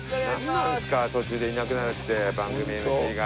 なんなんですか途中でいなくなるって番組ＭＣが。